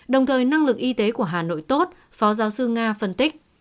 đồng thời năng lực y tế của hà nội tốt phó giáo sư nga phân tích